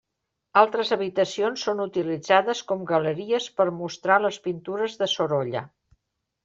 Altres habitacions són utilitzades com galeries per mostrar les pintures de Sorolla.